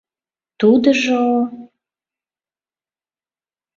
— Тудыжо...